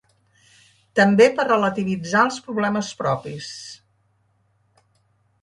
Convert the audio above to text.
També per relativitzar els problemes propis.